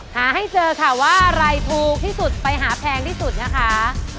หาให้เจอค่ะว่าอะไรถูกที่สุดไปหาแพงที่สุดนะคะ